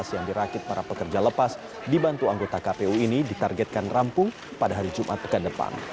delapan tujuh ratus lima belas yang dirakit para pekerja lepas dibantu anggota kpu ini ditargetkan rampung pada hari jumat pekan depan